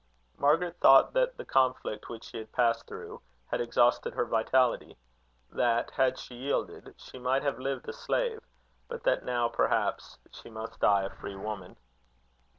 Margaret thought that the conflict which she had passed through, had exhausted her vitality; that, had she yielded, she might have lived a slave; but that now, perhaps, she must die a free woman.